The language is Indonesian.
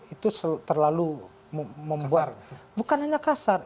itu terlalu membuat bukan hanya kasar